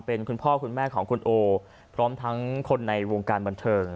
เป็นคุณพ่อคุณแม่ของคุณโอพร้อมทั้งคนในวงการบันเทิง